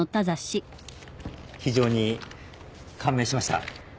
非常に感銘しました。